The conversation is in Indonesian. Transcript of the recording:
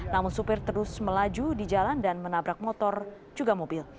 namun supir terus melaju di jalan dan menabrak motor juga mobil